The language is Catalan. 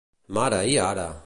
Mare, i ara!